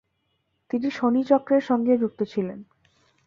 তিনি শনিচক্রের সঙ্গেও যুক্ত ছিলেন।